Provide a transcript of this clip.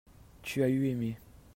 tu as eu aimé.